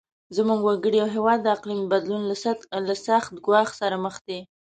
زموږ وګړي او هیواد د اقلیمي بدلون له سخت ګواښ سره مخ دي.